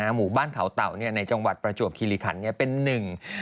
หมู่บ้านเขาเต่าในจังหวัดประจวบคิริขันเนี่ยเป็นหนึ่ง